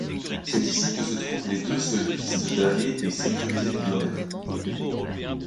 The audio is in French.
C'est ici que se trouvent les deux seules pistes damées et sécurisées du domaine.